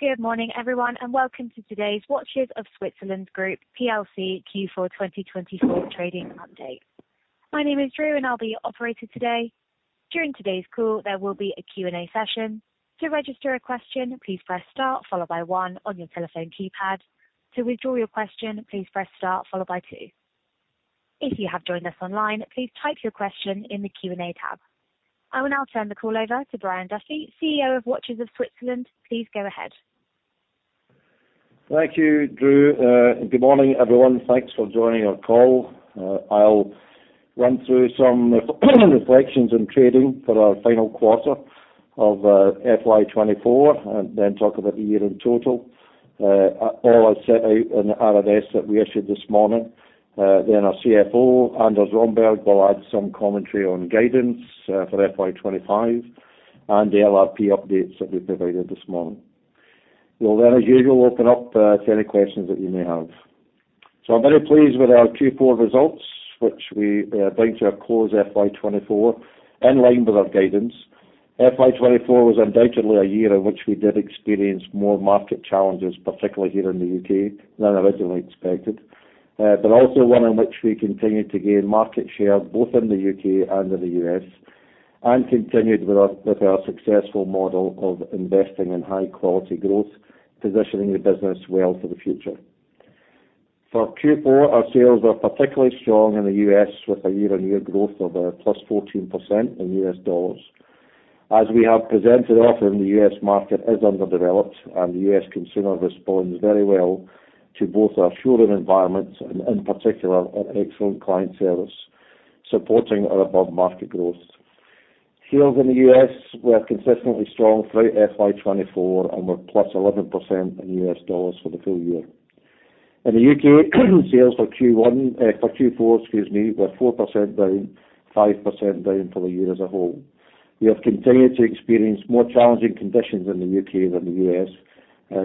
Good morning, everyone, and welcome to today's Watches of Switzerland Group PLC Q4 2024 trading update. My name is Drew, and I'll be your operator today. During today's call, there will be a Q&A session. To register a question, please press star followed by one on your telephone keypad. To withdraw your question, please press star followed by two. If you have joined us online, please type your question in the Q&A tab. I will now turn the call over to Brian Duffy, CEO of Watches of Switzerland. Please go ahead. Thank you, Drew. Good morning, everyone. Thanks for joining our call. I'll run through some reflections on trading for our final quarter of FY 2024, and then talk about the year in total. All as set out in the RNS that we issued this morning. Then our CFO, Anders Romberg, will add some commentary on guidance for FY 2025 and the LRP updates that we provided this morning. We'll then, as usual, open up to any questions that you may have. So I'm very pleased with our Q4 results, which we bring to a close FY 2024, in line with our guidance. FY 2024 was undoubtedly a year in which we did experience more market challenges, particularly here in the U.K., than originally expected. But also one in which we continued to gain market share, both in the U.K. and in the U.S., and continued with our, with our successful model of investing in high quality growth, positioning the business well for the future. For Q4, our sales were particularly strong in the U.S., with a year-on-year growth of plus 14% in US dollars. As we have presented often, the U.S. market is underdeveloped, and the U.S. consumer responds very well to both our showroom environment and, in particular, our excellent client service, supporting our above-market growth. Sales in the U.S. were consistently strong through FY 2024 and were plus 11% in US dollars for the full year. In the U.K., sales for Q1, for Q4, excuse me, were 4% down, 5% down for the year as a whole. We have continued to experience more challenging conditions in the U.K. than the U.S.,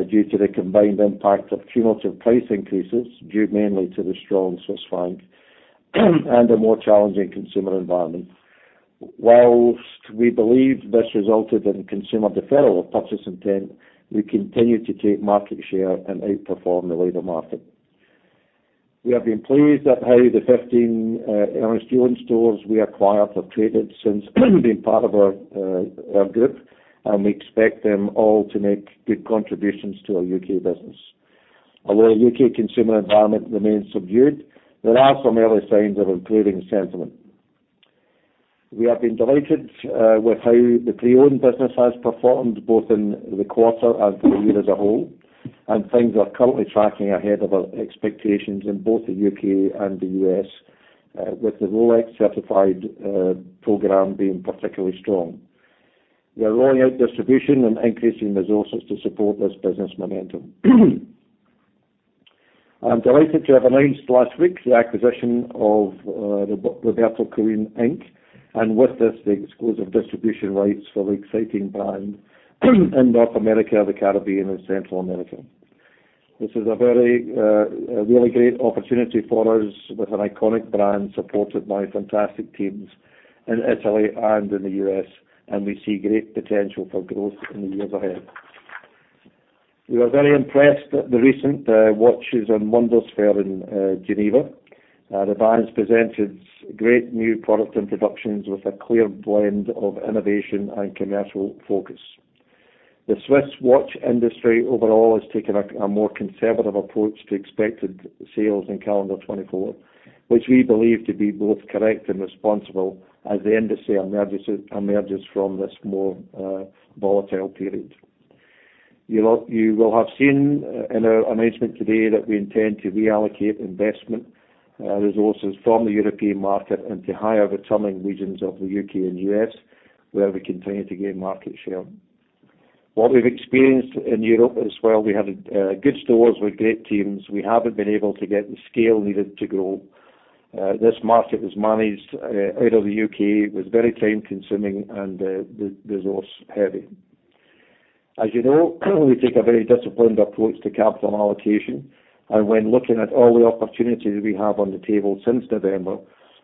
due to the combined impact of cumulative price increases, due mainly to the strong Swiss franc, and a more challenging consumer environment. While we believe this resulted in consumer deferral of purchase intent, we continue to take market share and outperform the labor market. We have been pleased at how the 15 Ernest Jones stores we acquired have traded since being part of our group, and we expect them all to make good contributions to our U.K. business. Although U.K. consumer environment remains subdued, there are some early signs of improving sentiment. We have been delighted with how the pre-owned business has performed, both in the quarter and for the year as a whole, and things are currently tracking ahead of our expectations in both the U.K. and the U.S., with the Rolex certified program being particularly strong. We are rolling out distribution and increasing resources to support this business momentum. I'm delighted to have announced last week the acquisition of the Roberto Coin Inc, and with this, the exclusive distribution rights for the exciting brand in North America, the Caribbean, and Central America. This is a very really great opportunity for us, with an iconic brand supported by fantastic teams in Italy and in the U.S., and we see great potential for growth in the years ahead. We are very impressed at the recent Watches and Wonders fair in Geneva. The brand has presented great new product introductions with a clear blend of innovation and commercial focus. The Swiss watch industry overall has taken a more conservative approach to expected sales in calendar 2024, which we believe to be both correct and responsible as the industry emerges from this more volatile period. You will have seen in our announcement today that we intend to reallocate investment resources from the European market into higher-returning regions of the UK and US, where we continue to gain market share. What we've experienced in Europe as well, we have good stores with great teams. We haven't been able to get the scale needed to grow. This market was managed out of the UK, was very time-consuming and resource heavy. As you know, currently, we take a very disciplined approach to capital allocation, and when looking at all the opportunities we have on the table since November,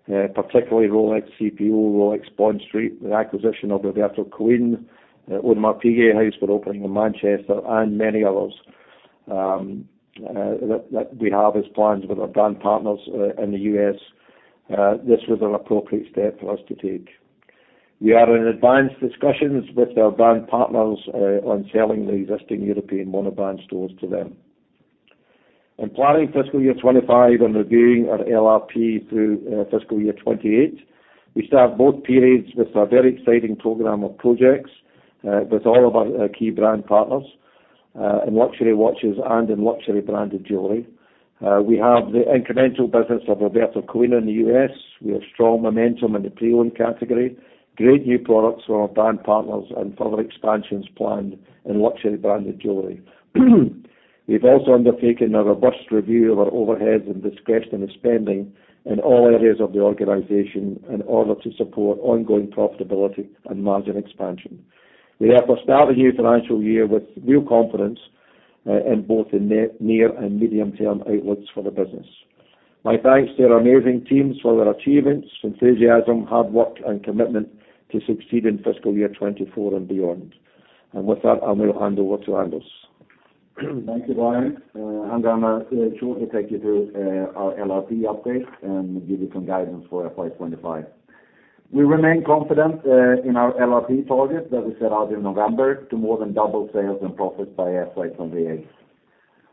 particularly Rolex CPO, Rolex Bond Street, the acquisition of Roberto Coin, Audemars Piguet House we're opening in Manchester, and many others, that we have as plans with our brand partners, in the US, this was an appropriate step for us to take. We are in advanced discussions with our brand partners, on selling the existing European monobrand stores to them. In planning fiscal year 25 and reviewing our LRP through, fiscal year 28, we start both periods with a very exciting program of projects, with all of our, key brand partners, in luxury watches and in luxury branded jewelry. We have the incremental business of Roberto Coin in the US. We have strong momentum in the pre-owned category, great new products from our brand partners, and further expansions planned in luxury branded jewelry. We've also undertaken a robust review of our overheads and discretionary spending in all areas of the organization in order to support ongoing profitability and margin expansion. We therefore start the new financial year with real confidence in both the near and medium-term outlooks for the business. My thanks to our amazing teams for their achievements, enthusiasm, hard work, and commitment to succeed in fiscal year 2024 and beyond. And with that, I will hand over to Anders. Thank you, Brian. I'm gonna shortly take you through our LRP update and give you some guidance for FY 25. We remain confident in our LRP target that we set out in November to more than double sales and profits by FY 28.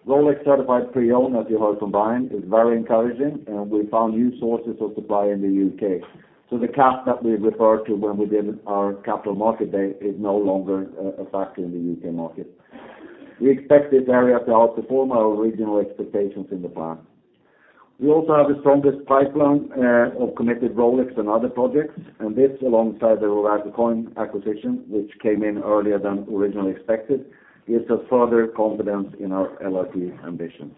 Rolex Certified Pre-Owned, as you heard from Brian, is very encouraging, and we found new sources of supply in the UK. So the cap that we referred to when we did our capital markets day is no longer a factor in the UK market. We expect this area to outperform our original expectations in the plan. We also have the strongest pipeline of committed Rolex and other projects, and this, alongside the Roberto Coin acquisition, which came in earlier than originally expected, gives us further confidence in our LRP ambitions.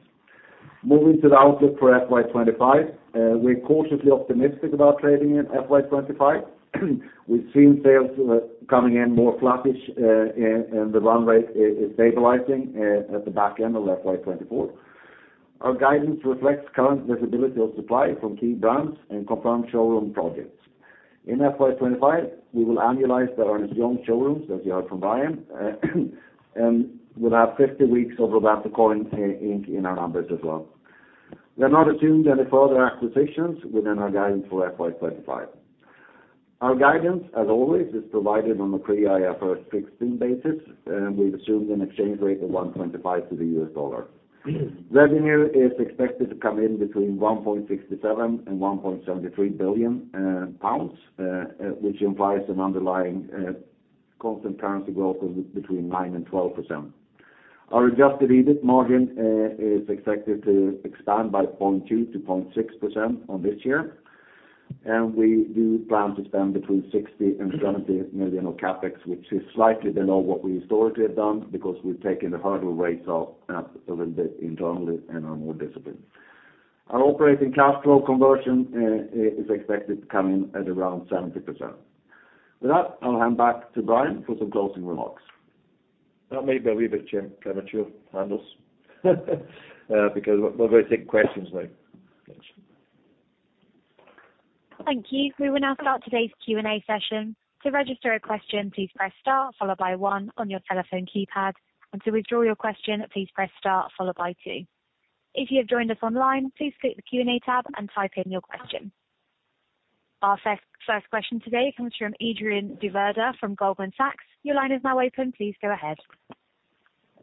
Moving to the outlook for FY 2025, we're cautiously optimistic about trading in FY 2025. We've seen sales, coming in more flattish, and the run rate is stabilizing, at the back end of FY 2024. Our guidance reflects current visibility of supply from key brands and confirmed showroom projects. In FY 2025, we will annualize the earnings beyond showrooms, as you heard from Brian, and we'll have 50 weeks of Roberto Coin in our numbers as well. We have not assumed any further acquisitions within our guidance for FY 2025. Our guidance, as always, is provided on a pre-IFRS 15 basis, and we've assumed an exchange rate of 1.5 to the US dollar. Revenue is expected to come in between 1.67 billion and 1.73 billion pounds, which implies an underlying constant currency growth of between 9% and 12%. Our adjusted EBIT margin is expected to expand by 0.2%-0.6% on this year, and we do plan to spend between 60 million and 70 million of CapEx, which is slightly below what we historically have done, because we've taken the hardware rates off a little bit internally and are more disciplined. Our operating cash flow conversion is expected to come in at around 70%. With that, I'll hand back to Brian for some closing remarks. That may be a wee bit premature, Anders. Because we're, we're going to take questions now. Thank you. We will now start today's Q&A session. To register a question, please press star followed by one on your telephone keypad, and to withdraw your question, please press star followed by two. If you have joined us online, please click the Q&A tab and type in your question. Our first, first question today comes from Adrien de Verger from Goldman Sachs. Your line is now open. Please go ahead.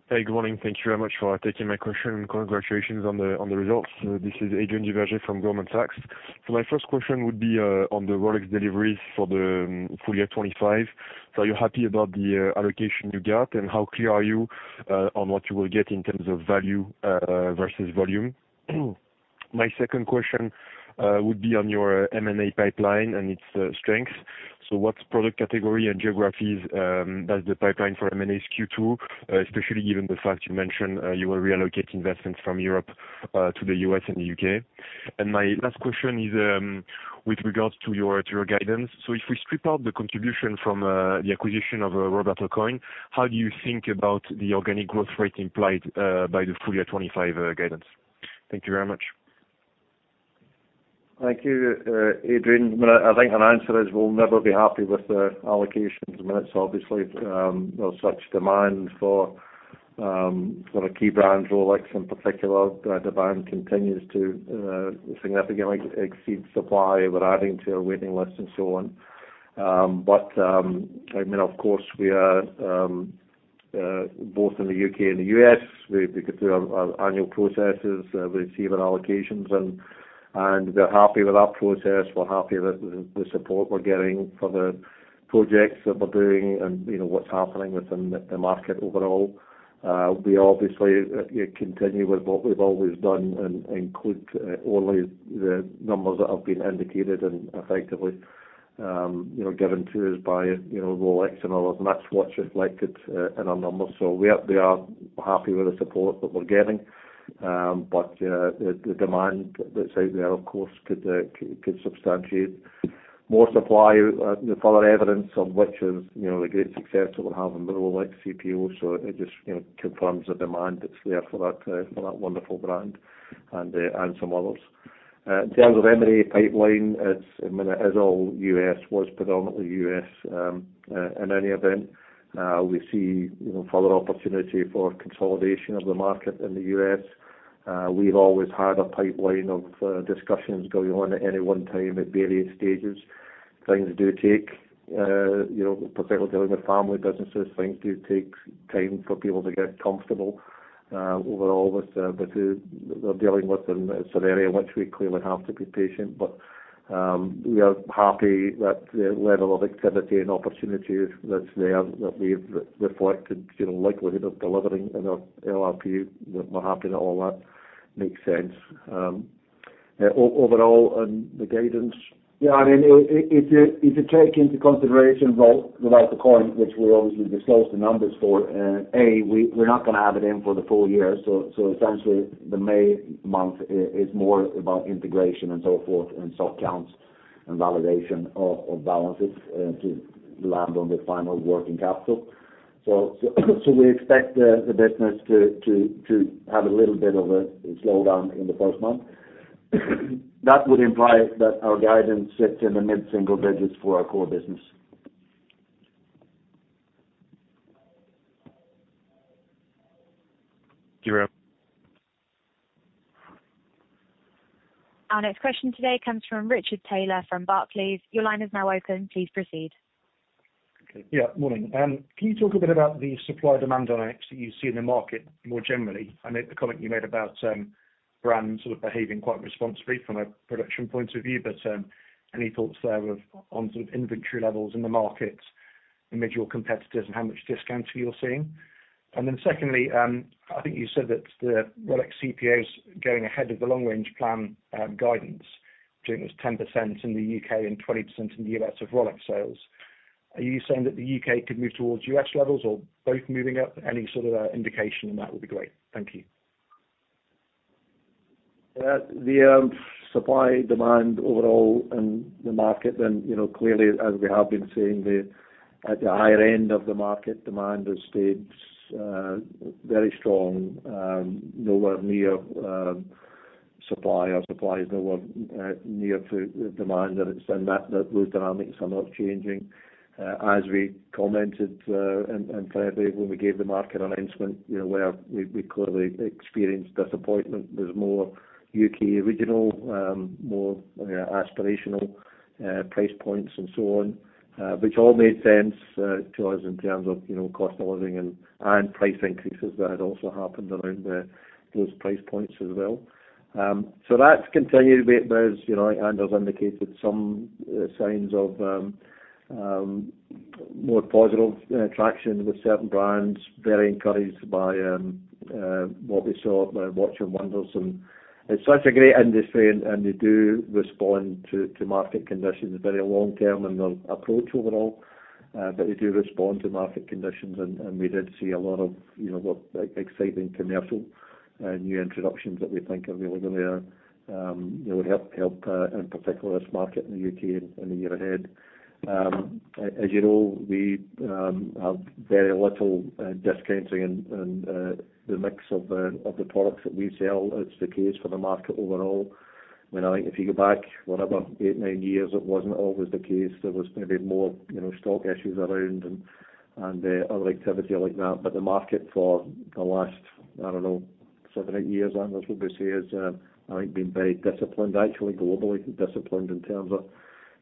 Hey, good morning. Thank you very much for taking my question, and congratulations on the, on the results. This is Adrien de Verger from Goldman Sachs. So my first question would be, on the Rolex deliveries for the full year 2025. So are you happy about the, allocation you got, and how clear are you, on what you will get in terms of value, versus volume? My second question, would be on your, M&A pipeline and its, strength. So what product category and geographies, does the pipeline for M&A Q2, especially given the fact you mentioned, you will reallocate investments from Europe, to the US and the UK? And my last question is, with regards to your, to your guidance. If we strip out the contribution from the acquisition of Roberto Coin, how do you think about the organic growth rate implied by the full year 25 guidance? Thank you very much. Thank you, Adrien. Well, I think an answer is we'll never be happy with the allocations. I mean, it's obviously, you know, such demand for the key brands, Rolex in particular. Demand continues to significantly exceed supply. We're adding to our waiting list and so on. But, I mean, of course, we are both in the U.K. and the U.S., we get through our annual processes, we receive our allocations, and we're happy with that process. We're happy with the support we're getting for the projects that we're doing and, you know, what's happening within the market overall. We obviously continue with what we've always done and include only the numbers that have been indicated and effectively, you know, given to us by, you know, Rolex and other watch brands reflected in our numbers. So we are happy with the support that we're getting. But the demand that's out there, of course, could substantiate more supply, further evidence on which is, you know, the great success that we have in the Rolex CPO. So it just, you know, confirms the demand that's there for that for that wonderful brand and some others. In terms of M&A pipeline, it's, I mean, it is all U.S., was predominantly U.S. In any event, we see, you know, further opportunity for consolidation of the market in the U.S. We've always had a pipeline of discussions going on at any one time at various stages. Things do take, you know, particularly dealing with family businesses, things do take time for people to get comfortable, overall with, with who we're dealing with, and it's an area in which we clearly have to be patient. But we are happy that the level of activity and opportunities that's there, that we've reflected, you know, likelihood of delivering in our LRP. We're happy that all that makes sense. Overall, and the guidance, yeah, I mean, if you, if you take into consideration Roberto Coin, which we obviously disclosed the numbers for, a, we're not gonna have it in for the full year. So, essentially, the May month is more about integration and so forth and soft counts... and validation of balances, to land on the final working capital. So, we expect the business to have a little bit of a slowdown in the first month. That would imply that our guidance sits in the mid-single digits for our core business. Thank you. Our next question today comes from Richard Taylor from Barclays. Your line is now open. Please proceed. Yeah, morning. Can you talk a bit about the supply-demand dynamics that you see in the market more generally? I know the comment you made about brands sort of behaving quite responsibly from a production point of view, but any thoughts there of on sort of inventory levels in the market, individual competitors and how much discounting you're seeing? And then secondly, I think you said that the Rolex CPOs going ahead of the long range plan guidance, which I think was 10% in the UK and 20% in the US of Rolex sales. Are you saying that the UK could move towards US levels or both moving up? Any sort of indication on that would be great. Thank you. The supply demand overall in the market then, you know, clearly, as we have been saying, at the higher end of the market, demand has stayed very strong, nowhere near supply, or supply is nowhere near to the demand that it's... And those dynamics are not changing. As we commented, and clearly when we gave the market announcement, you know, where we clearly experienced disappointment. There's more UK regional, more aspirational price points and so on, which all made sense to us in terms of, you know, cost of living and price increases that had also happened around those price points as well. So that's continued, but there's, you know, Anders has indicated some signs of more positive traction with certain brands, very encouraged by what we saw by Watches and Wonders, and it's such a great industry, and they do respond to market conditions. Very long term in their approach overall, but they do respond to market conditions, and we did see a lot of, you know, exciting commercial new introductions that we think are really gonna help in particular this market in the UK in the year ahead. As you know, we have very little discounting in the mix of the products that we sell. It's the case for the market overall. I mean, I think if you go back, whatever, 8, 9 years, it wasn't always the case. There was maybe more, you know, stock issues around and other activity like that. But the market for the last, I don't know, 7, 8 years, Anders, would we say, has, I think been very disciplined, actually globally disciplined, in terms of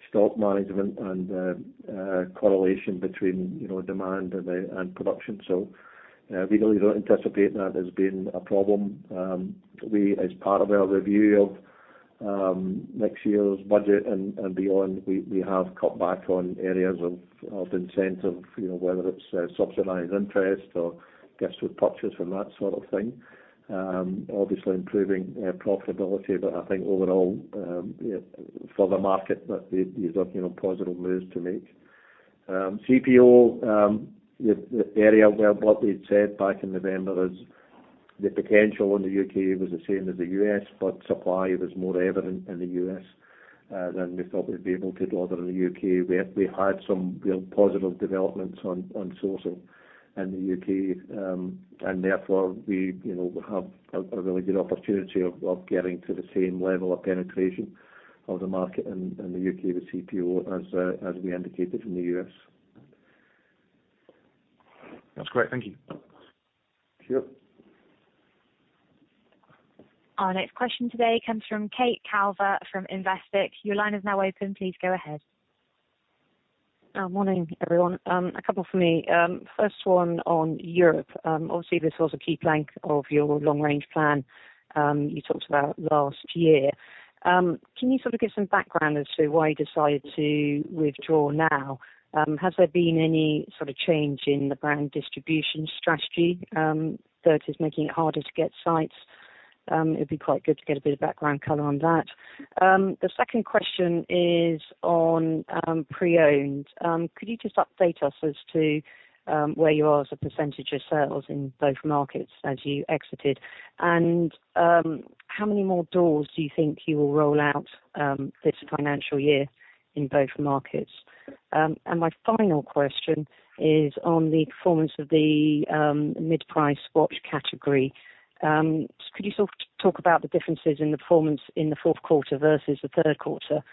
stock management and correlation between, you know, demand and production. So, we really don't anticipate that as being a problem. We, as part of our review of next year's budget and beyond, have cut back on areas of incentive, you know, whether it's subsidized interest or gifts with purchase and that sort of thing. Obviously improving profitability, but I think overall, yeah, for the market, that these are, you know, positive moves to make. CPO, the area where what we'd said back in November is the potential in the UK was the same as the US, but supply was more evident in the US than we thought we'd be able to deliver in the UK. We had some real positive developments on sourcing in the UK. And therefore, we, you know, have a really good opportunity of getting to the same level of penetration of the market in the UK with CPO as we indicated in the US. That's great. Thank you. Sure. Our next question today comes from Kate Calvert from Investec. Your line is now open. Please go ahead. Morning, everyone. A couple from me. First one on Europe. Obviously, this was a key plank of your long range plan, you talked about last year. Can you sort of give some background as to why you decided to withdraw now? Has there been any sort of change in the brand distribution strategy, that is making it harder to get sites? It'd be quite good to get a bit of background color on that. The second question is on pre-owned. Could you just update us as to where you are as a percentage of sales in both markets as you exited? And how many more doors do you think you will roll out this financial year in both markets? And my final question is on the performance of the mid-price watch category. Could you sort of talk about the differences in the performance in the fourth quarter versus the third quarter?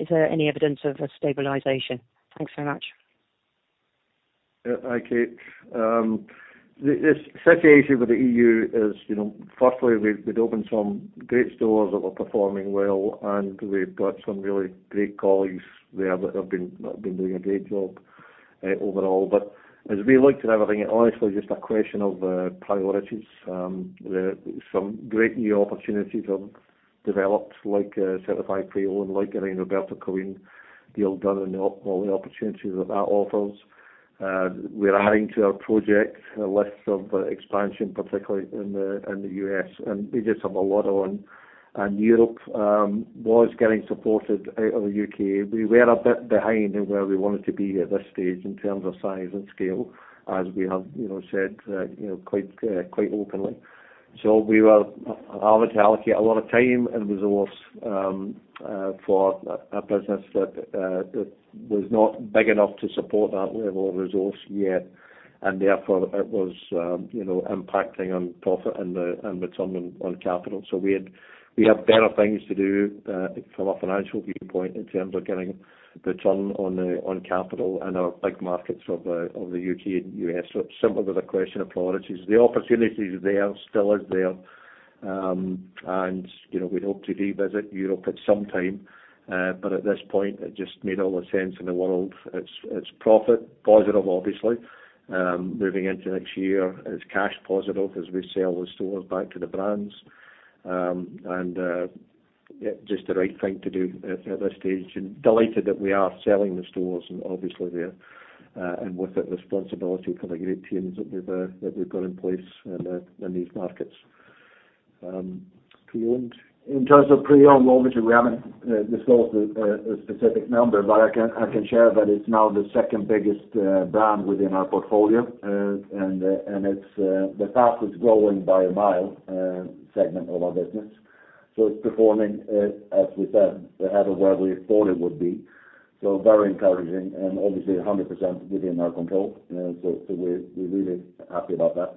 Is there any evidence of a stabilization? Thanks so much. Yeah. Hi, Kate. The situation with the EU is, you know, firstly, we'd opened some great stores that were performing well, and we've got some really great colleagues there that have been doing a great job, overall. But as we looked at everything, honestly, just a question of priorities. There are some great new opportunities have developed, like certified pre-owned, like getting Roberto Coin deal done and all the opportunities that that offers. We're adding to our project a list of expansion, particularly in the US, and we just have a lot on. And Europe was getting supported out of the UK. We were a bit behind in where we wanted to be at this stage in terms of size and scale, as we have, you know, said, you know, quite, quite openly. So we were having to allocate a lot of time and resource for a business that, that was not big enough to support that level of resource yet, and therefore, it was, you know, impacting on profit and the, and return on, on capital. We have better things to do, from a financial viewpoint in terms of getting return on, on capital in our big markets of, of the UK and US. So similar with a question of priorities, the opportunity is there, still is there. And, you know, we hope to revisit Europe at some time, but at this point, it just made all the sense in the world. It's, it's profit positive, obviously, moving into next year. It's cash positive as we sell the stores back to the brands. And, yeah, just the right thing to do at this stage, and delighted that we are selling the stores and obviously we're, and with the responsibility for the great teams that we've, that we've got in place in the, in these markets. To you, Ernest? In terms of Pre-Owned revenue, we haven't disclosed a specific number, but I can share that it's now the second biggest brand within our portfolio. And it's the fastest growing by a mile segment of our business. So it's performing, as we said, ahead of where we thought it would be. So very encouraging, and obviously 100% within our control. So we're really happy about that.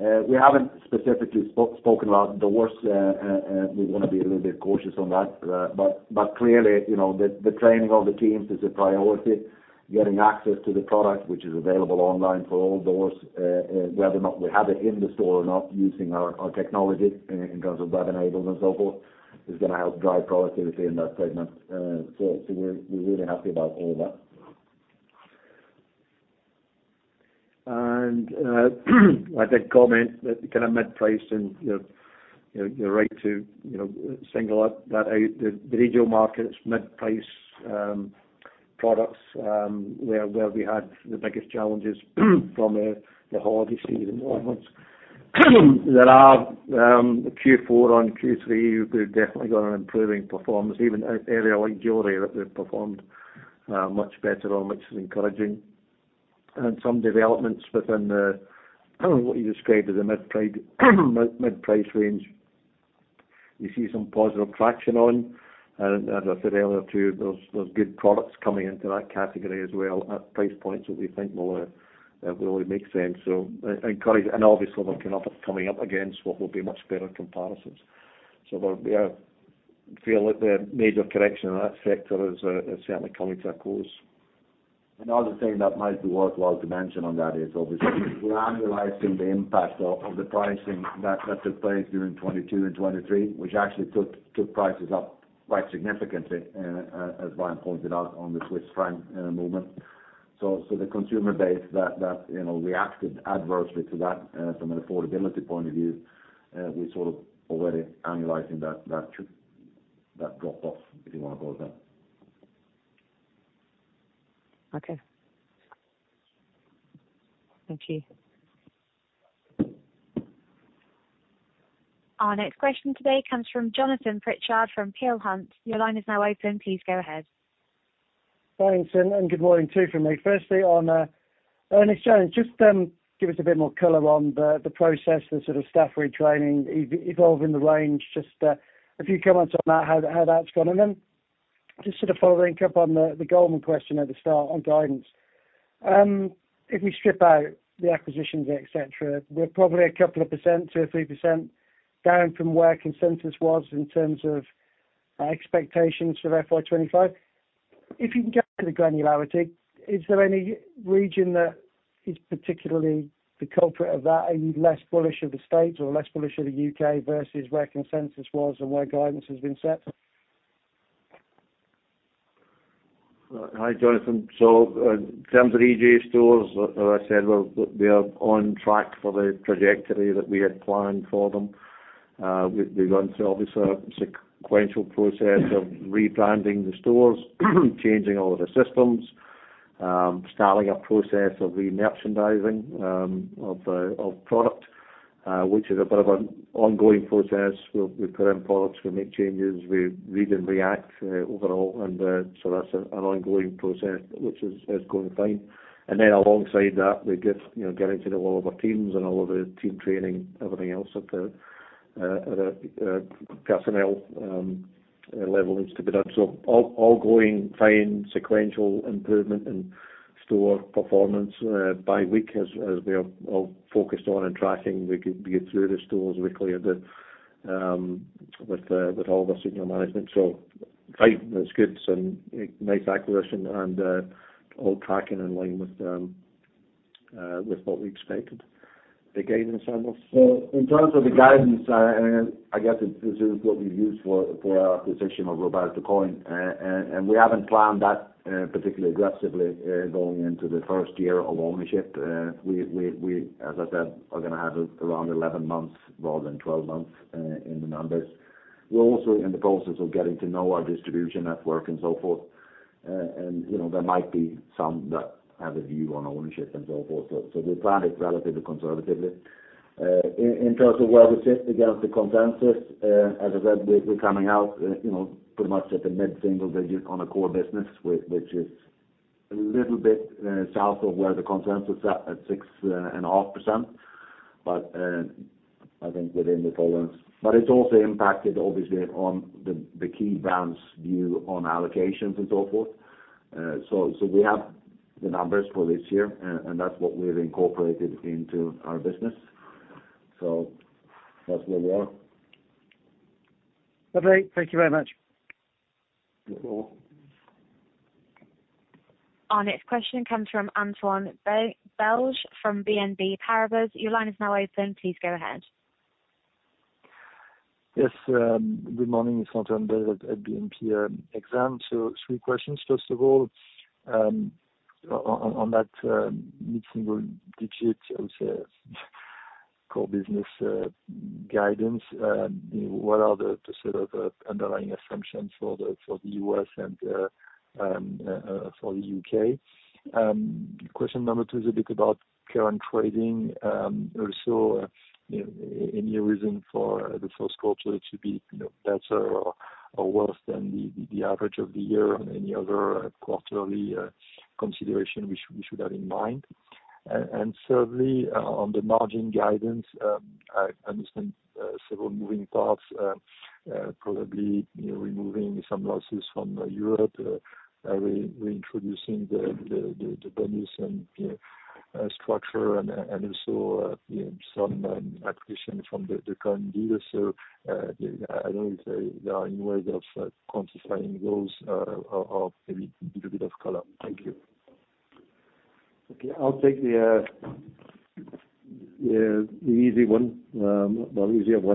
We haven't specifically spoken about doors, we wanna be a little bit cautious on that. But clearly, you know, the training of the teams is a priority. Getting access to the product, which is available online for all doors, whether or not we have it in the store or not, using our technology in terms of web-enabled and so forth, is gonna help drive productivity in that segment. So we're really happy about all that. I did comment that kind of mid-priced and, you know, you're right to, you know, single that out. The regional markets, mid-price products, where we had the biggest challenges from the holiday season onwards. There are Q4 on Q3, we've definitely got an improving performance, even an area like jewelry that we've performed much better on, which is encouraging. And some developments within the what you described as the mid-price range. You see some positive traction on, and as I said earlier, too, there's good products coming into that category as well, at price points that we think will really make sense. So encouraging, and obviously, they're coming up against what will be much better comparisons. So there'll be a feel that the major correction in that sector is certainly coming to a close. Another thing that might be worthwhile to mention on that is obviously, we're annualizing the impact of the pricing that took place during 2022 and 2023, which actually took prices up quite significantly, as Brian pointed out, on the Swiss franc movement. So the consumer base that, you know, reacted adversely to that, from an affordability point of view, we sort of already annualizing that drop-off, if you wanna call it that. Okay. Thank you. Our next question today comes from Jonathan Pritchard from Peel Hunt. Your line is now open. Please go ahead. Thanks, and good morning to you from me. Firstly, on Ernest Jones, just give us a bit more color on the process, the sort of staff retraining, evolving the range. Just a few comments on that, how that's gone. And then just sort of following up on the Goldman question at the start on guidance. If we strip out the acquisitions, et cetera, we're probably a couple of percent, 2%-3% down from where consensus was in terms of expectations for FY 2025. If you can get to the granularity, is there any region that is particularly the culprit of that, are you less bullish of the States or less bullish of the UK versus where consensus was and where guidance has been set? Hi, Jonathan. So, in terms of EJ stores, as I said, we're on track for the trajectory that we had planned for them. We went through obviously a sequential process of rebranding the stores, changing all of the systems, starting a process of remerchandising of the product, which is a bit of an ongoing process. We put in products, we make changes, we read and react, overall, and so that's an ongoing process, which is going fine. And then alongside that, we get, you know, getting to know all of our teams and all of the team training, everything else at the personnel level needs to be done. So all going fine, sequential improvement in store performance by week as we are all focused on and tracking, we get through the stores weekly with all the senior management. So great, it's good and nice acquisition and all tracking in line with what we expected. The guidance, Ernst? So in terms of the guidance, and I guess this is what we've used for, for our acquisition of Roberto Coin, and, and we haven't planned that, particularly aggressively, going into the first year of ownership. We, as I said, are gonna have around 11 months rather than 12 months, in the numbers. We're also in the process of getting to know our distribution network and so forth. You know, there might be some that have a view on ownership and so forth. So we planned it relatively conservatively. In terms of where we sit against the consensus, as I said, we're coming out, you know, pretty much at the mid-single digit on the core business, which is... A little bit south of where the consensus sat at 6.5%. But I think within the tolerance. But it's also impacted obviously on the key brands' view on allocations and so forth. So we have the numbers for this year, and that's what we've incorporated into our business. So that's where we are. Lovely. Thank you very much. You're welcome. Our next question comes from Antoine Belge from BNP Paribas. Your line is now open. Please go ahead. Yes, good morning. It's Antoine Belge at BNP Exane. So three questions. First of all, on that mid-single digit, I would say, core business guidance, what are the sort of underlying assumptions for the US and for the UK? Question number two is a bit about current trading. Also, any reason for the first quarter to be, you know, better or worse than the average of the year or any other quarterly consideration we should have in mind? And thirdly, on the margin guidance, I understand several moving parts, probably, you know, removing some losses from Europe, reintroducing the bonus and structure and also some acquisition from the current dealer. So, I don't say there are any ways of quantifying those, or maybe little bit of color. Thank you. Okay. I'll take the easier one.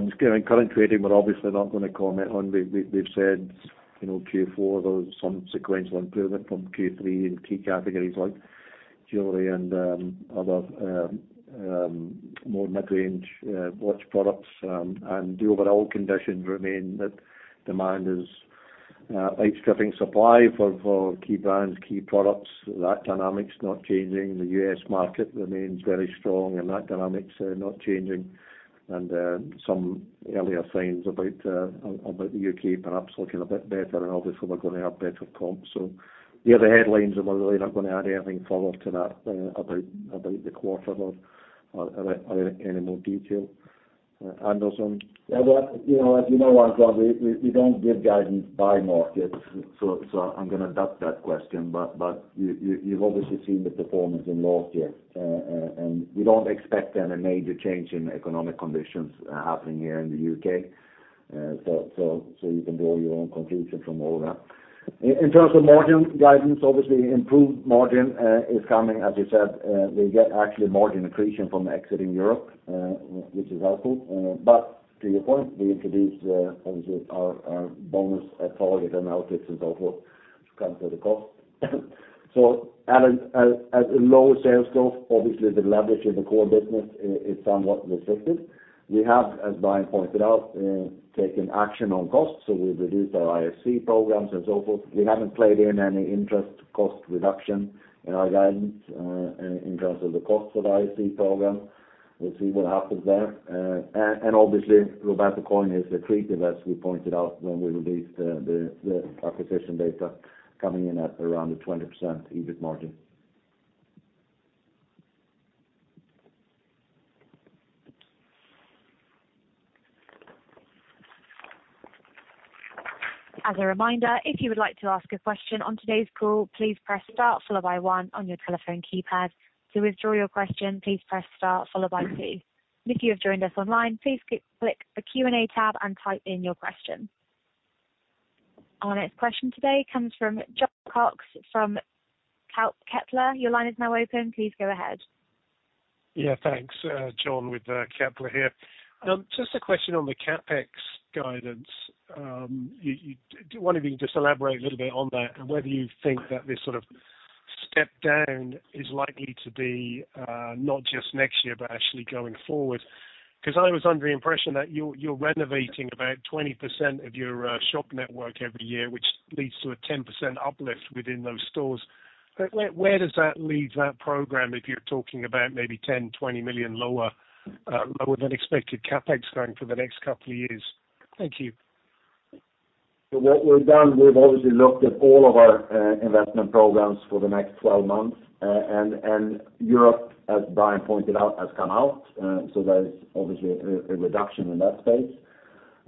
Just current trading, we're obviously not going to comment on. We've said, you know, Q4, there was some sequential improvement from Q3 in key categories like jewelry and other more mid-range watch products. And the overall conditions remain that demand is outstripping supply for key brands, key products. That dynamic's not changing. The U.S. market remains very strong, and that dynamic's not changing. And some earlier signs about the U.K. perhaps looking a bit better, and obviously we're going to have better comps. So they are the headlines, and we're really not going to add anything further to that about the quarter or any more detail. Anders? Yeah, well, you know, as you know, Antoine, we don't give guidance by market, so I'm going to duck that question. But you, you've obviously seen the performance in North here. And we don't expect then a major change in economic conditions happening here in the UK. So you can draw your own conclusion from all that. In terms of margin guidance, obviously improved margin is coming. As you said, we get actually margin accretion from exiting Europe, which is helpful. But to your point, we introduced obviously our bonus target and outputs and so forth to counter the cost. So at a lower sales growth, obviously the leverage in the core business is somewhat restricted. We have, as Brian pointed out, taken action on costs, so we've reduced our IFC programs and so forth. We haven't played in any interest cost reduction in our guidance, in terms of the cost of the IFC program. We'll see what happens there. And obviously, Roberto Coin is accretive, as we pointed out when we released the, the, the acquisition data, coming in at around the 20% EBIT margin. As a reminder, if you would like to ask a question on today's call, please press star followed by one on your telephone keypad. To withdraw your question, please press star followed by two. If you have joined us online, please click the Q&A tab and type in your question. Our next question today comes from John Cox from Kepler. Your line is now open. Please go ahead. Yeah, thanks. John with Kepler here. Just a question on the CapEx guidance. Do one of you just elaborate a little bit on that, and whether you think that this sort of step down is likely to be not just next year, but actually going forward. Because I was under the impression that you're renovating about 20% of your shop network every year, which leads to a 10% uplift within those stores. But where does that leave that program if you're talking about maybe 10-20 million lower than expected CapEx going for the next couple of years? Thank you. So what we've done, we've obviously looked at all of our investment programs for the next 12 months. And Europe, as Brian pointed out, has come out, so there is obviously a reduction in that space,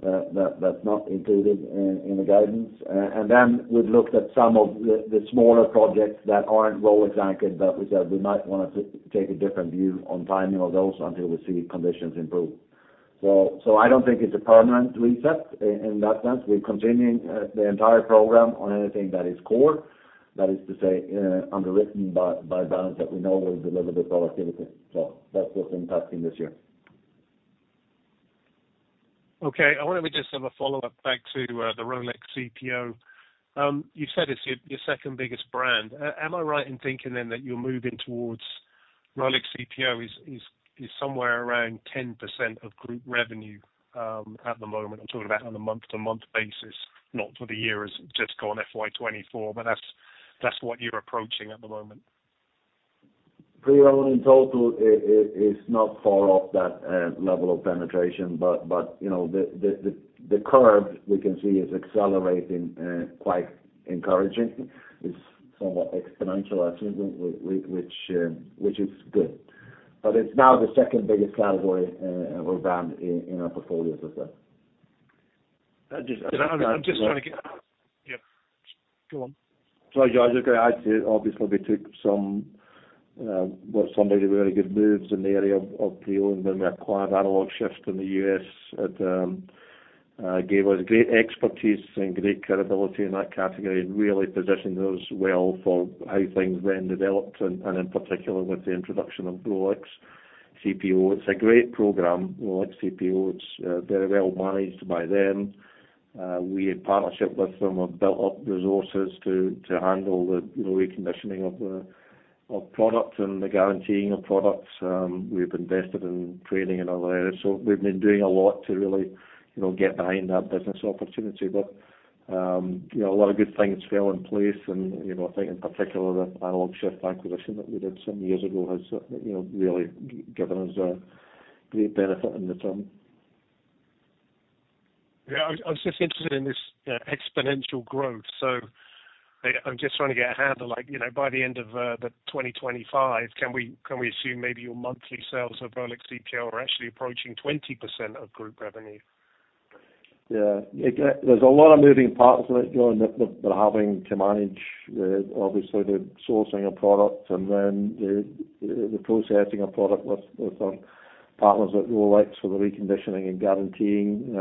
that's not included in the guidance. And then we've looked at some of the smaller projects that aren't well exactly, but we said we might want to take a different view on timing of those until we see conditions improve. So I don't think it's a permanent reset in that sense. We're continuing the entire program on anything that is core. That is to say, underwritten by brands that we know will deliver the profitability. So that's what's impacting this year. Okay. I wonder if we just have a follow-up back to the Rolex CPO. You said it's your second biggest brand. Am I right in thinking then that you're moving towards Rolex CPO is somewhere around 10% of group revenue at the moment? I'm talking about on a month-to-month basis, not for the year as just gone FY 2024, but that's what you're approaching at the moment? ... Pre-owned in total is not far off that level of penetration, but, you know, the curve we can see is accelerating quite encouraging. It's somewhat exponential, I assume, which is good. But it's now the second biggest category or brand in our portfolios as well. I'm just trying to get. Yeah. Go on. Sorry, John, I was just gonna add to it. Obviously, we took some what some may be very good moves in the area of pre-owned when we acquired Analog Shift in the U.S. It gave us great expertise and great credibility in that category, and really positioned us well for how things then developed, and in particular, with the introduction of Rolex CPO. It's a great program, Rolex CPO. It's very well managed by them. We in partnership with them have built up resources to handle the reconditioning of product and the guaranteeing of products. We've invested in training in other areas. So we've been doing a lot to really, you know, get behind that business opportunity. But, you know, a lot of good things fell in place, and, you know, I think in particular, the Analog:Shift acquisition that we did some years ago has, you know, really given us a great benefit in the term. Yeah, I was, I was just interested in this exponential growth. So I, I'm just trying to get a handle, like, you know, by the end of the 2025, can we, can we assume maybe your monthly sales of Rolex CPO are actually approaching 20% of group revenue? Yeah. It, there's a lot of moving parts to it, John, that we're having to manage. Obviously, the sourcing of product and then the processing of product with our partners at Rolex, for the reconditioning and guaranteeing.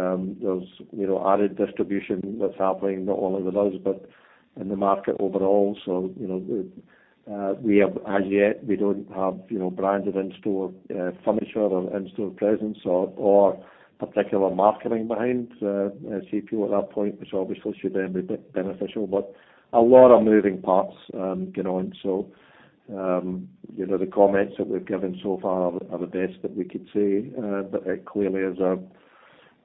There's, you know, added distribution that's happening not only with us, but in the market overall. So, you know, we have, as yet, we don't have, you know, branded in-store furniture or in-store presence or particular marketing behind CPO at that point, which obviously should then be beneficial. But a lot of moving parts going on. So, you know, the comments that we've given so far are the best that we could say. But it clearly is a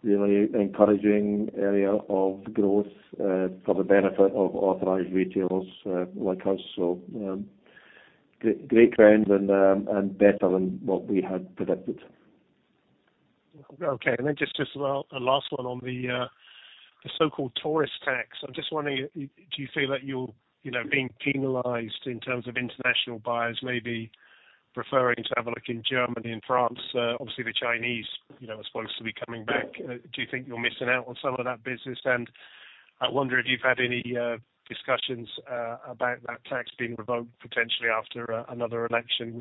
really encouraging area of growth for the benefit of authorized retailers like us. Great trends and better than what we had predicted. Okay. And then just a last one on the so-called tourist tax. I'm just wondering, do you feel that you're, you know, being penalized in terms of international buyers, maybe preferring to have a look in Germany and France? Obviously, the Chinese, you know, are supposed to be coming back. Do you think you're missing out on some of that business? And I wonder if you've had any discussions about that tax being revoked potentially after another election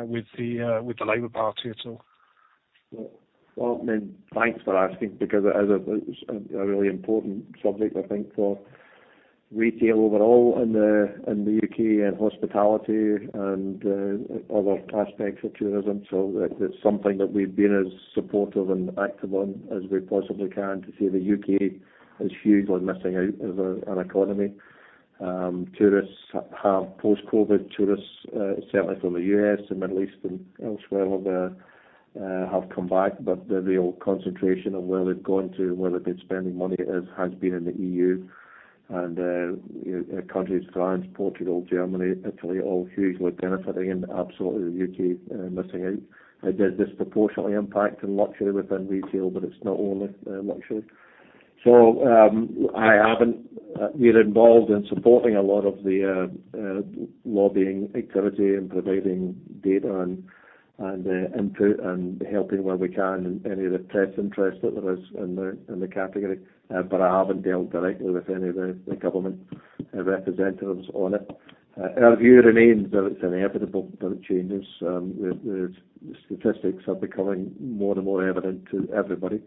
with the Labor Party at all? Well, then, thanks for asking, because it is a really important subject, I think, for retail overall in the UK and hospitality and other aspects of tourism. So it's something that we've been as supportive and active on as we possibly can to see the UK is hugely missing out as an economy. Tourists have, post-COVID, certainly from the US and Middle East and elsewhere, have come back, but the real concentration of where they've gone to, where they've been spending money has been in the EU and countries, France, Portugal, Germany, Italy, all hugely benefiting and absolutely the UK missing out. It does disproportionately impact on luxury within retail, but it's not only luxury. So, we're involved in supporting a lot of the lobbying activity and providing data and input and helping where we can in any of the press interest that there is in the category. But I haven't dealt directly with any of the government representatives on it. Our view remains that it's inevitable that it changes. The statistics are becoming more and more evident to everybody,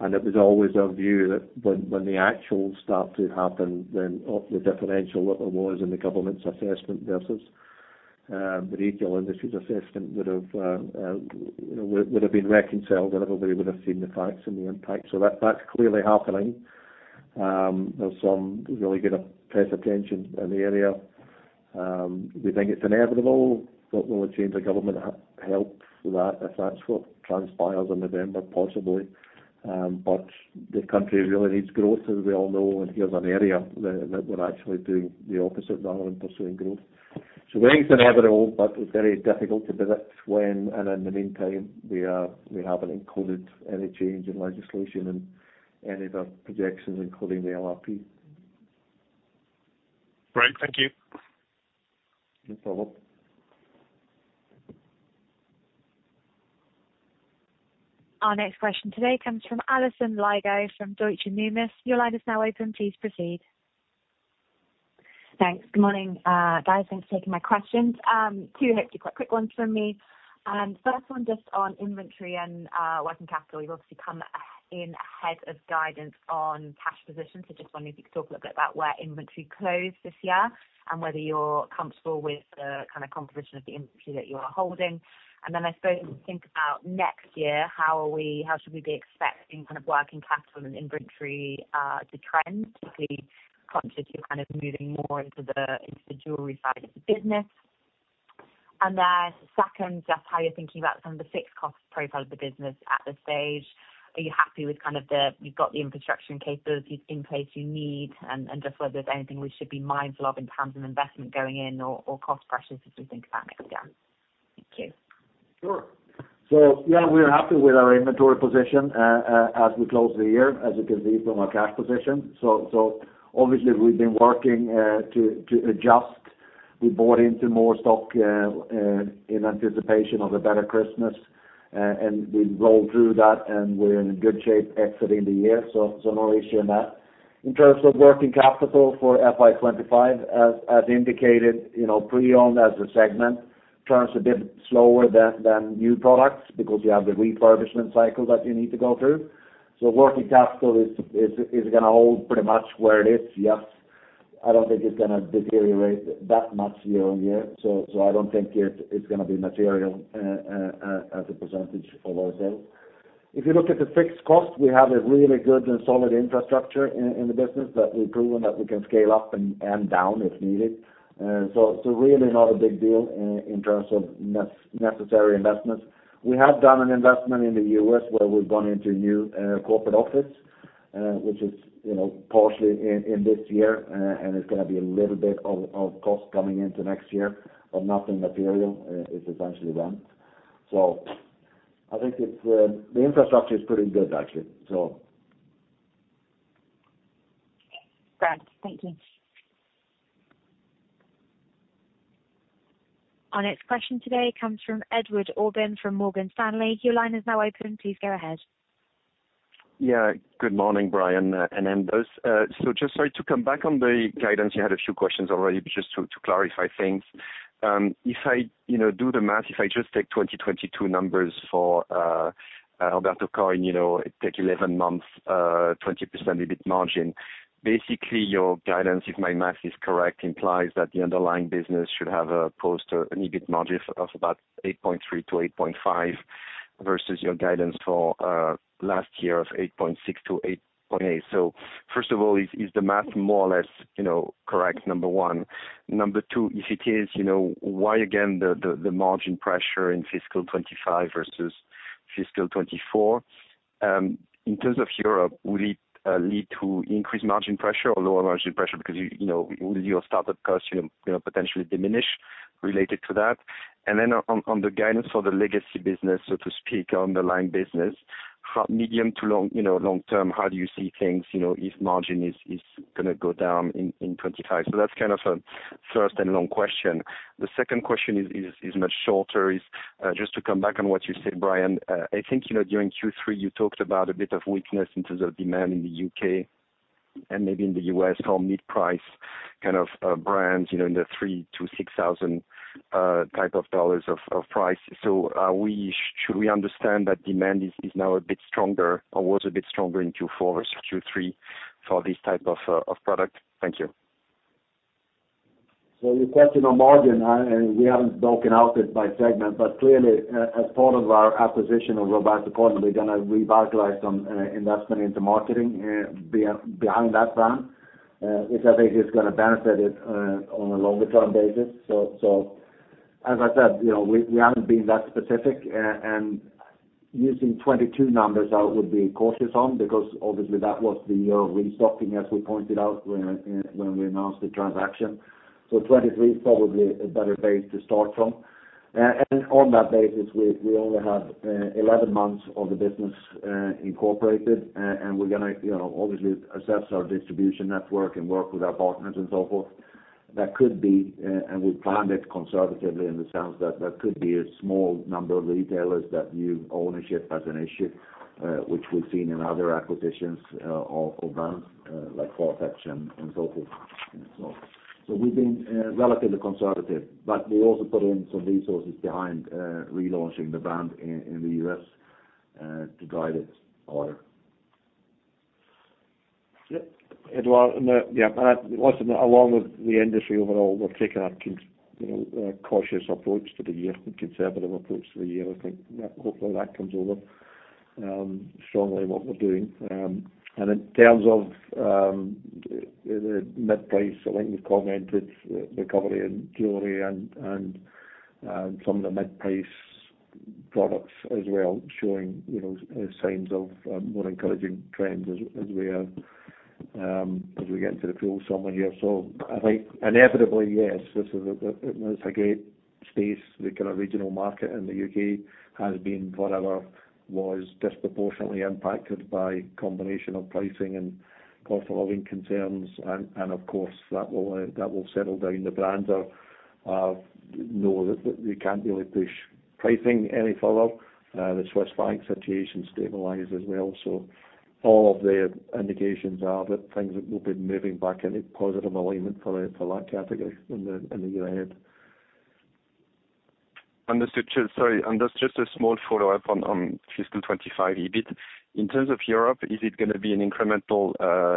and it was always our view that when the actuals start to happen, then of the differential that there was in the government's assessment versus the retail industry's assessment would have, you know, would have been reconciled, and everybody would have seen the facts and the impact. So that's clearly happening. There's some really good press attention in the area. We think it's inevitable, but will a change of government help, help that, if that's what transpires in November? Possibly. But the country really needs growth, as we all know, and here's an area that, that we're actually doing the opposite rather than pursuing growth. So we think it's inevitable, but very difficult to predict when, and in the meantime, we are, we haven't included any change in legislation in any of our projections, including the LRP. Great. Thank you. No problem. Our next question today comes from Alison Sherwood from Deutsche Bank. Your line is now open. Please proceed. Thanks. Good morning, guys. Thanks for taking my questions. Two hopefully quite quick ones from me. First one, just on inventory and working capital. You've obviously come in ahead of guidance on cash position, so just wondering if you could talk a little bit about where inventory closed this year and whether you're comfortable with the kind of composition of the inventory that you are holding. And then I suppose, think about next year, how should we be expecting kind of working capital and inventory to trend, particularly conscious you're kind of moving more into the jewelry side of the business? And then second, just how you're thinking about kind of the fixed cost profile of the business at this stage. Are you happy with kind of the, you've got the infrastructure and capabilities in place you need, and, and just whether there's anything we should be mindful of in terms of investment going in or, or cost pressures as we think about next year?... Thank you. Sure. So, yeah, we're happy with our inventory position, as we close the year, as you can see from our cash position. So obviously, we've been working to adjust. We bought into more stock in anticipation of a better Christmas, and we rolled through that, and we're in good shape exiting the year, so no issue on that. In terms of working capital for FY 25, as indicated, you know, pre-owned as a segment turns a bit slower than new products because you have the refurbishment cycle that you need to go through. So working capital is gonna hold pretty much where it is, yes. I don't think it's gonna deteriorate that much year-on-year, so I don't think it's gonna be material as a percentage of our sales. If you look at the fixed cost, we have a really good and solid infrastructure in the business that we've proven that we can scale up and down, if needed. So really not a big deal in terms of necessary investments. We have done an investment in the US, where we've gone into new corporate office, which is, you know, partially in this year. And it's gonna be a little bit of cost coming into next year, but nothing material. It's essentially rent. So I think it's the infrastructure is pretty good, actually. So- Great. Thank you. Our next question today comes from Edouard Aubin, from Morgan Stanley. Your line is now open. Please go ahead. Yeah. Good morning, Brian, and Anders. So just sorry to come back on the guidance, you had a few questions already, but just to clarify things. If I, you know, do the math, if I just take 2022 numbers for Roberto Coin, you know, it take 11 months, 20% EBIT margin. Basically, your guidance, if my math is correct, implies that the underlying business should have a post, an EBIT margin of about 8.3%-8.5%, versus your guidance for last year of 8.6%-8.8%. So first of all, is the math more or less, you know, correct? Number one. Number two, if it is, you know, why again, the margin pressure in fiscal 2025 versus fiscal 2024? In terms of Europe, will it lead to increased margin pressure or lower margin pressure? Because you know, will your startup costs you know potentially diminish related to that? And then on the guidance for the legacy business, so to speak, underlying business, how medium to long you know long term, how do you see things you know if margin is gonna go down in 25? So that's kind of a first and long question. The second question is much shorter, just to come back on what you said, Brian. I think you know during Q3, you talked about a bit of weakness in terms of demand in the U.K. and maybe in the U.S., for mid-price, kind of brands you know in the $3,000-$6,000 type of dollars of price. So, should we understand that demand is now a bit stronger or was a bit stronger in Q4 versus Q3 for this type of product? Thank you. So your question on margin, and we haven't broken out it by segment, but clearly, as part of our acquisition of Roberto Coin, we're gonna revitalize some investment into marketing behind that brand. Which I think is gonna benefit it on a longer-term basis. So as I said, you know, we haven't been that specific, and using 2022 numbers, I would be cautious on, because obviously, that was the year of restocking, as we pointed out when we announced the transaction. So 2023 is probably a better base to start from. And on that basis, we only have 11 months of the business incorporated. And we're gonna, you know, obviously assess our distribution network and work with our partners and so forth. That could be, and we planned it conservatively in the sense that that could be a small number of retailers that view ownership as an issue, which we've seen in other acquisitions of brands like Four Tops and so forth. So we've been relatively conservative, but we also put in some resources behind relaunching the brand in the U.S. to drive it higher. Yeah, Edward, and yeah, and I listen, along with the industry overall, we're taking you know, a cautious approach to the year, a conservative approach to the year. I think that hopefully that comes over strongly in what we're doing. And in terms of the mid-price, I think we've commented recovery in jewelry and some of the mid-price products as well, showing you know, signs of more encouraging trends as we get into the full summer here. So I think inevitably, yes, this is a great space. The kind of regional market in the UK has been forever was disproportionately impacted by combination of pricing and cost of living concerns. And of course, that will settle down. The brands know that they can't really push pricing any further. The Swiss bank situation stabilized as well. So all of the indications are that things will be moving back in a positive alignment for that category in the year ahead. Understood. Sorry, and just a small follow-up on fiscal 2025 EBIT. In terms of Europe, is it gonna be an incremental,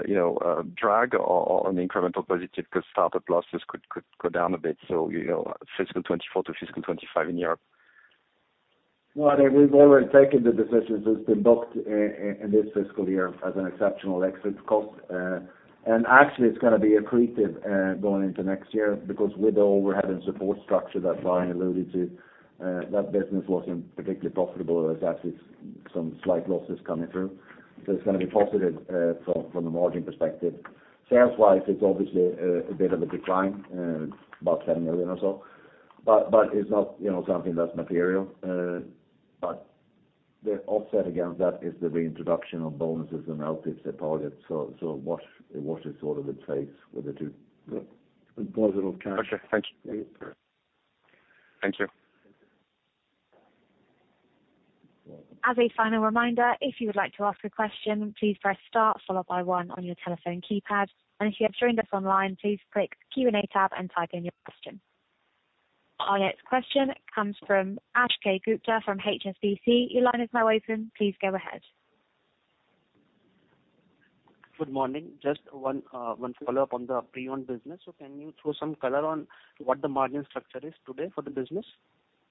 you know, drag or an incremental positive because startup losses could go down a bit, so, you know, fiscal 2024 to fiscal 2025 in Europe? Well, I think we've already taken the decision. It's been booked in this fiscal year as an exceptional exit cost. And actually, it's gonna be accretive going into next year, because with the overhead and support structure that Brian alluded to, that business wasn't particularly profitable as it's-... some slight losses coming through. So it's gonna be positive from a margin perspective. Sales-wise, it's obviously a bit of a decline about 10 million or so, but it's not, you know, something that's material. But the offset against that is the reintroduction of bonuses and outlays departed. So it washes sort of its face with the two positive cash. Okay, thanks. Thank you. As a final reminder, if you would like to ask a question, please press star followed by one on your telephone keypad. If you have joined us online, please click the Q&A tab and type in your question. Our next question comes from Akshay Gupta from HSBC. Your line is now open, please go ahead. Good morning. Just one, one follow-up on the pre-owned business. So can you throw some color on what the margin structure is today for the business?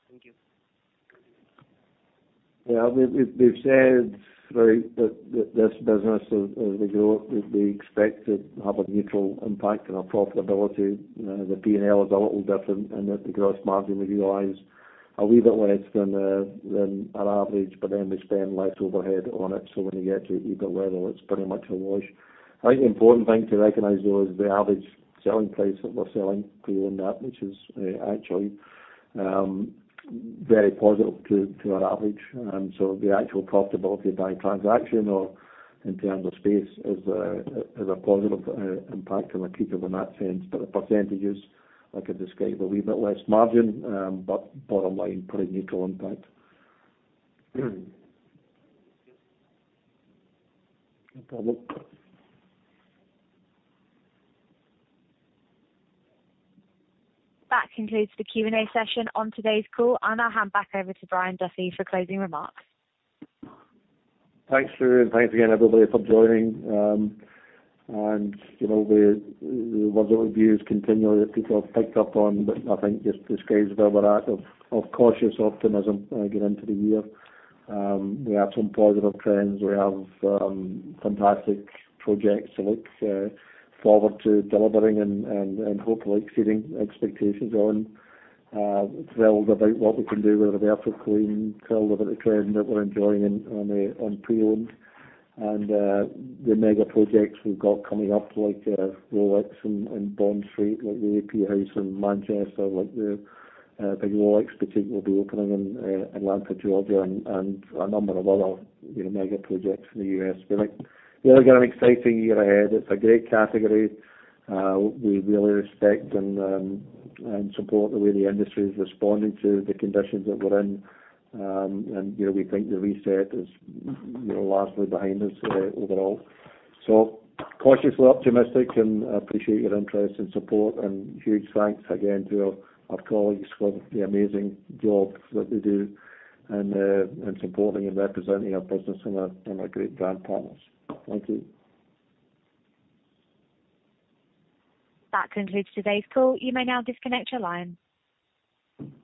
Thank you. Yeah, we've said that this business as we grow, we expect to have a neutral impact on our profitability. The P&L is a little different, and the gross margin, we realize a wee bit less than our average, but then we spend less overhead on it. So when you get to EBITDA level, it's pretty much a wash. I think the important thing to recognize, though, is the average selling price that we're selling pre-owned at, which is actually very positive to our average. And so the actual profitability by transaction or in terms of space is a positive impact on EBITDA in that sense. But the percentages, I could describe a wee bit less margin, but bottom line, pretty neutral impact. No problem. That concludes the Q&A session on today's call, and I'll hand back over to Brian Duffy for closing remarks. Thanks, Sarah, and thanks again everybody for joining. You know, we reiterate the views continually that people have picked up on, but I think it just describes where we're at of cautious optimism going into the year. We have some positive trends. We have fantastic projects to look forward to delivering and hopefully exceeding expectations on. Thrilled about what we can do with the aftercare clean, thrilled about the trend that we're enjoying on pre-owned. And the mega projects we've got coming up, like Rolex in Bond Street, like the AP House in Manchester, like the big Rolex boutique we'll be opening in Atlanta, Georgia, and a number of other mega projects in the US. We think we've got an exciting year ahead. It's a great category. We really respect and support the way the industry is responding to the conditions that we're in. You know, we think the reset is, you know, lastly behind us, overall. So cautiously optimistic and appreciate your interest and support, and huge thanks again to our colleagues for the amazing job that they do and supporting and representing our business and our great brand partners. Thank you. That concludes today's call. You may now disconnect your line.